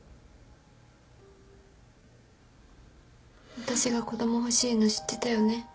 私が子供欲しいの知ってたよね？